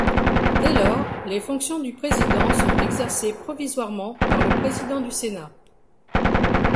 Dès lors les fonctions du président sont exercées provisoirement par le président du Sénat.